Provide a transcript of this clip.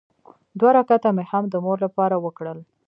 دوه رکعته مې هم د مور لپاره وکړل.